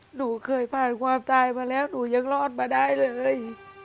หนูเคยผ่านความตายมาแล้วหนูยังรอดมาได้เลย